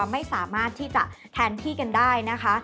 ไม่สามารถที่จะแทนที่กันได้นะคะ